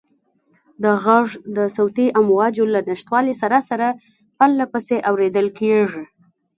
دا غږ د صوتي امواجو له نشتوالي سره سره پرله پسې اورېدل کېږي.